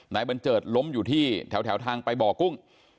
บันเจิดล้มอยู่ที่แถวทางไปบ่อกุ้ง